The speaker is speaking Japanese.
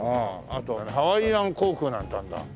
あと「ハワイアン航空」なんてあるんだ。